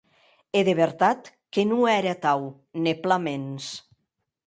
E de vertat que non ère atau, ne plan mens.